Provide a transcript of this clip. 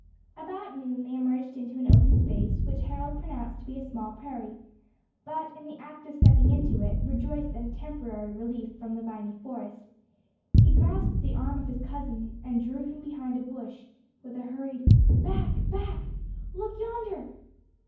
About noon they emerged into an open space, which Harold pronounced to be a small prairie; but in the act of stepping into it, rejoiced at a temporary relief from the viny forest, he grasped the arm of his cousin, and drew him behind a bush, with a hurried, "Back! back! Look yonder!"